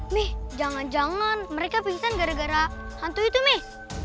nih jangan jangan mereka pingsan gara gara hantu itu nih